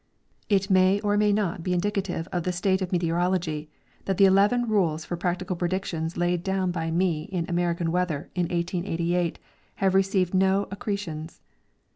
It may or may not be indicative of the state of meteorology that the eleven rules for practical predictions laid down by me in "'American Weather " in 1888 have received no accretions.